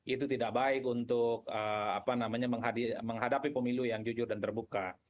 itu tidak baik untuk menghadapi pemilu yang jujur dan terbuka